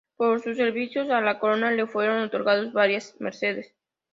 Por sus servicios a la corona le fueron otorgadas varias mercedes.